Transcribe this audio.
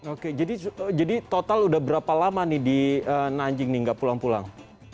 oke jadi total udah berapa lama nih di nanjing nih nggak pulang pulang